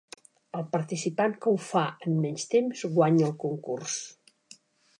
El participant que ho fa en menys temps guanya el concurs.